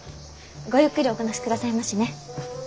ごゆっくりお話しくださいましね。